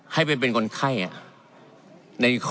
ให้เป็นคนไข้